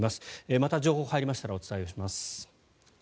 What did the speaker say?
また情報入りましたらお伝えします。